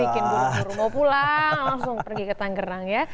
bikin burung burung mau pulang langsung pergi ke tanggerang ya